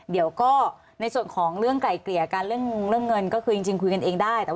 เดี๋ยวก็ในส่วนของเรื่องไก่เกลี่ยกันเรื่องเงินก็คือจริงคุยกันเองได้